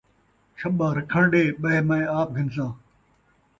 چھٻا رکھݨ ݙے ، ٻہہ میں آپ گھنساں